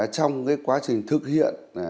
trong quá trình thực hiện